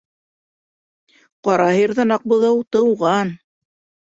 Ҡара һыйырҙан аҡ быҙау тыуған.